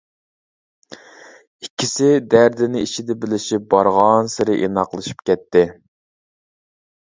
ئىككىسى دەردىنى ئىچىدە بىلىشىپ، بارغانسېرى ئىناقلىشىپ كەتتى.